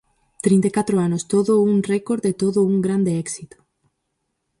Trinta e catro anos, ¡todo un récord e todo un grande éxito!